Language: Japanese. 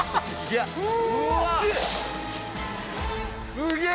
すげえ！